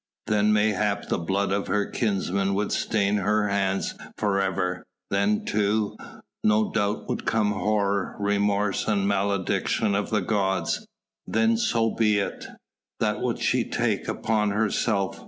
Then mayhap the blood of her kinsman would stain her hands for ever; then, too, no doubt would come horror, remorse and the malediction of the gods. Then so be it. That would she take upon herself.